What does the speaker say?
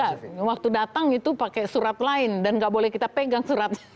iya waktu datang itu pakai surat lain dan nggak boleh kita pegang surat